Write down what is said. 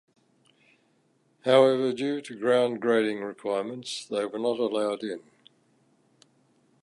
However, due to ground grading requirements they were not allowed in.